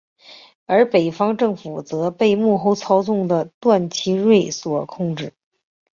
而北方政府则被幕后操纵的段祺瑞所控制。